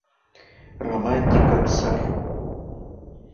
Романтикатә сахьоуп.